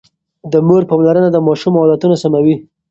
د مور پاملرنه د ماشوم عادتونه سموي.